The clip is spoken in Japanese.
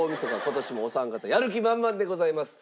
今年もお三方やる気満々でございます。